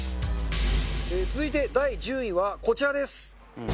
続いて第１０位はこちらです。